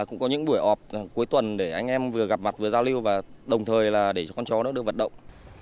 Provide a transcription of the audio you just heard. cũng có những buổi họp cuối tuần để anh em vừa gặp mặt vừa giao lưu và đồng thời là để cho con chó nó được vận động